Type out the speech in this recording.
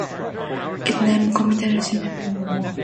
Its name commemorates the Cedars of Lebanon.